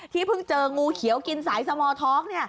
ที่เพิ่งเจองูเขียวกินสายสมอท็อก